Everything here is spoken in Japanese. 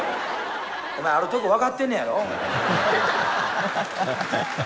お前あるとこわかってんねやろ？